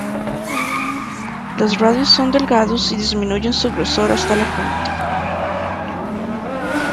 Los radios son delgados y disminuyen su grosor hasta la punta.